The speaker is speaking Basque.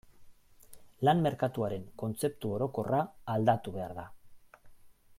Lan merkatuaren kontzeptu orokorra aldatu behar da.